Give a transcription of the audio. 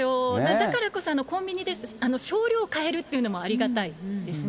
だからこそ、コンビニで少量買えるっていうのもありがたいですね。